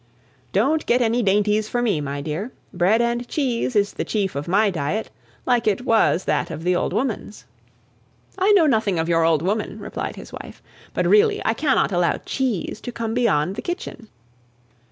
"Don't get any dainties for me, my dear; bread and cheese is the chief of my diet, like it was that of the old woman's." "I know nothing of your old woman," replied his wife; "but really I cannot allow cheese to come beyond the kitchen."